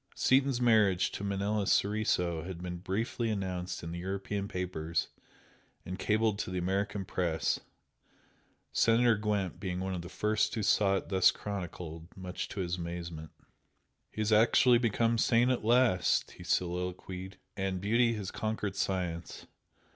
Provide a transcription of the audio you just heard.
Seaton's marriage to Manella Soriso had been briefly announced in the European papers and cabled to the American Press, Senator Gwent being one of the first who saw it thus chronicled, much to his amazement. "He has actually become sane at last!" he soliloquised, "And beauty has conquered science!